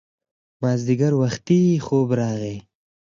مازیګر وختي خوب راغی